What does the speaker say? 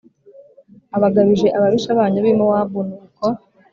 Abagabije ababisha banyu b i mowabu nuko